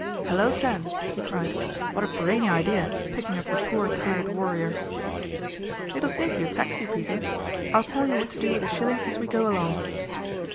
" Hullo, Tan 1 " he cried, " what a brainy idea, picking up the poor, tired warrior." " It'll save you a taxi, Peter. I'll tell you what to do with the shilling as we go along."